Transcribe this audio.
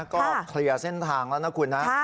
ก็เคลียร์เส้นทางแล้วนะคุณนะ